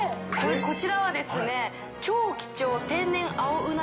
こちらはですね超貴重。